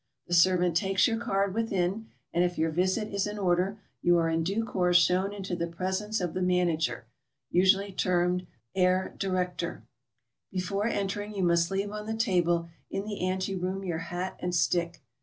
The servant takes your card within, and if your visit is in order, you are in due course shown into the presence of the manager, usually termed the Herr Directeur. Before entering, you must leave on the table in the anteroom your hat and stick.